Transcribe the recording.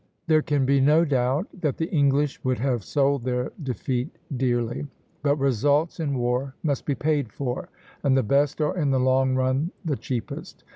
_" There can be no doubt that the English would have sold their defeat dearly; but results in war must be paid for, and the best are in the long run the cheapest.